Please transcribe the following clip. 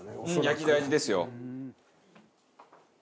焼き大事ですよ。